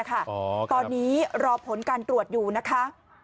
ตอนนี้รอผลการตรวจอยู่นะคะ